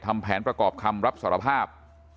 ทำแผนประกอบคำรับสารภาพ